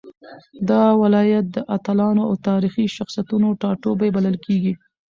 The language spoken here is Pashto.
دا ولايت د اتلانو او تاريخي شخصيتونو ټاټوبی بلل کېږي.